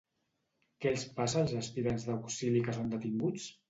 Què els passa als aspirants d'auxili que són detinguts?